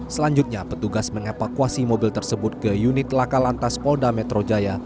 selanjutnya petugas mengevakuasi mobil tersebut ke unit laka lantas polda metro jaya